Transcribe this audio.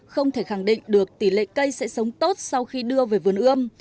không thể khẳng định được tỷ lệ cây sẽ sống tốt sau khi đưa về vườn ươm